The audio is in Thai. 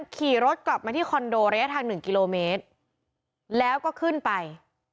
ขี่รถกลับมาที่คอนโดระยะทาง๑กิโลเมตรแล้วก็ขึ้นไป